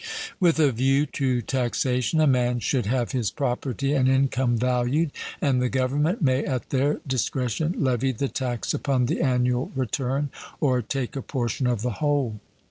With a view to taxation a man should have his property and income valued: and the government may, at their discretion, levy the tax upon the annual return, or take a portion of the whole.